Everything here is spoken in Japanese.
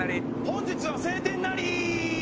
本日は晴天なりー！